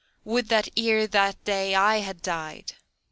Would that ere that day I had died!